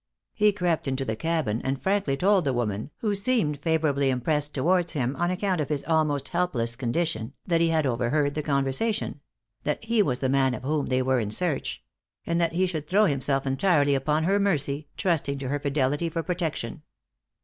He crept into the cabin, and frankly told the woman, who seemed favorably impressed towards him on account of his almost helpless condition, that he had overheard the conversation; that he was the man of whom they were in search; and that he should throw himself entirely upon her mercy, trusting to her fidelity for protection.